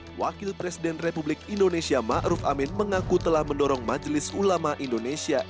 hai wakil presiden republik indonesia ma'ruf amin mengaku telah mendorong majelis ulama indonesia